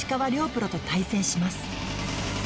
プロと対戦します